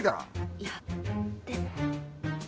いやでも。